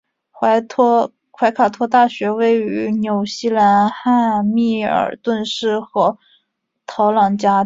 怀卡托大学位于纽西兰汉密尔顿市和陶朗加地区。